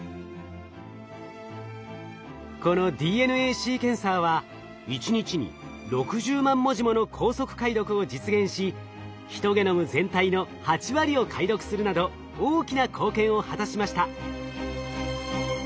このＤＮＡシーケンサーは一日に６０万文字もの高速解読を実現しヒトゲノム全体の８割を解読するなど大きな貢献を果たしました。